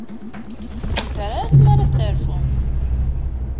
Ur kent-terri ara tmara ad terfumt.